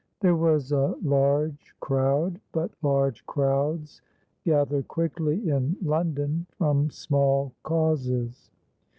THERE was a large crowd, but large crowds gather quickly in London from small causes.